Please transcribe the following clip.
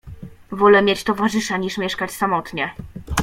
"Wole mieć towarzysza niż mieszkać samotnie."